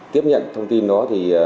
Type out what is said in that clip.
tiếp nhận thông tin đó